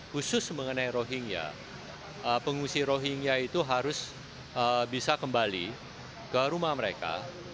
khusus mengenai rohingya pengungsi rohingya itu harus bisa kembali ke rumah mereka